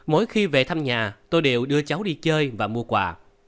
mỗi khi về thăm nhà tôi đều đưa cháu đi chơi và mua quà